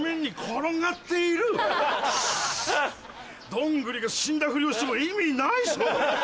どんぐりが死んだふりをしても意味ないぞ。